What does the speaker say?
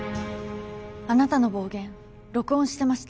あなたの暴言録音してました。